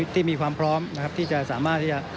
ที่มีความพร้อมที่จะสามารถ